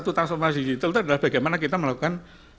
itu transformasi digital adalah bagaimana kita melakukan